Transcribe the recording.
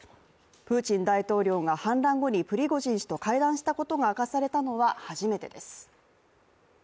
プーチン大統領が反乱後にプリゴジン氏と会談したことが明かされたのは初めてです。